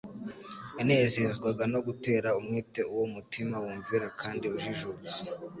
Yanezezwaga no gutera umwete uwo mutima wumvira kandi ujijutse.